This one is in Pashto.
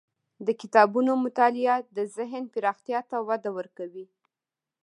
د کتابونو مطالعه د ذهن پراختیا ته وده ورکوي.